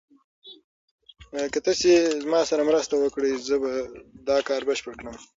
که تاسي ما سره مرسته وکړئ زه به دا کار بشپړ کړم.